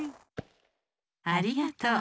ありがとう！